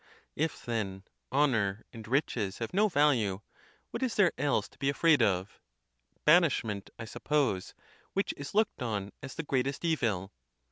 If, then, honor and riches have no value, what is there else to be afraid of? Banishment, I suppose; which is looked en as the greatest evil.